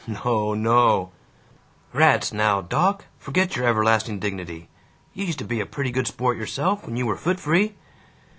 "No no " "Rats now, doc, forget your everlasting dignity. You used to be a pretty good sport yourself, when you were foot free."